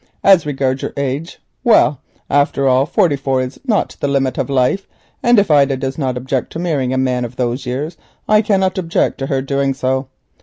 As to your age, well, after all forty four is not the limit of life, and if Ida does not object to marrying a man of those years, I cannot object to her doing so.